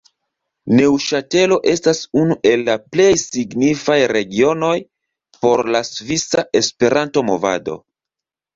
Neŭŝatelo estas unu el la plej signifaj regionoj por la svisa Esperanto-movado.